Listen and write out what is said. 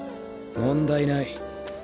問題ない。